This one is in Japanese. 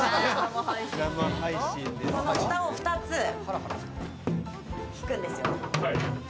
このふたを２つ敷くんですよ。